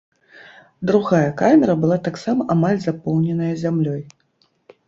Другая камера была таксама амаль запоўненая зямлёй.